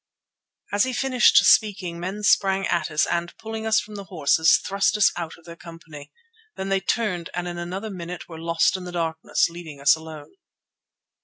As he finished speaking men sprang at us and, pulling us from the horses, thrust us out of their company. Then they turned and in another minute were lost in the darkness, leaving us alone.